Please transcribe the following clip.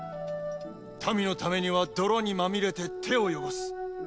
民のためには泥にまみれて手を汚す。